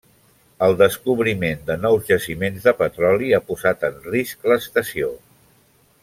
El descobriment de nous jaciments de petroli ha posat en risc l'estació.